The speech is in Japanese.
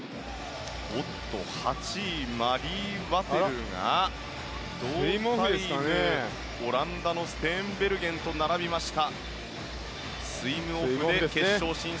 ８位、マリー・ワテルがスイムオフオランダのステーンベルゲンと並びました。